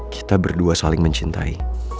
kita berdua saling mencintai